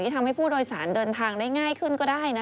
ทำให้ผู้โดยสารเดินทางได้ง่ายขึ้นก็ได้นะ